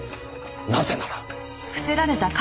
なぜなら。